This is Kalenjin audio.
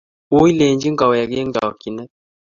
Wui lechi kowek eng chokchinet